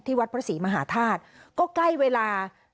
วัดพระศรีมหาธาตุก็ใกล้เวลา